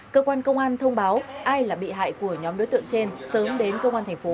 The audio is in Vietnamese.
cơ quan công an thông báo ai là bị hại của nhóm đối tượng trên sớm đến công an thành phố